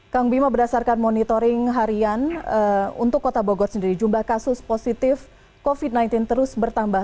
kang bima berdasarkan monitoring harian untuk kota bogor sendiri jumlah kasus positif covid sembilan belas terus bertambah